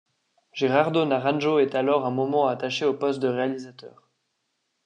Gerardo Naranjo est alors un moment attaché au poste de réalisateur.